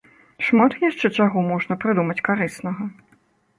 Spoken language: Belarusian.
Шмат яшчэ чаго можна прыдумаць карыснага.